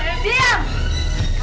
dam di situ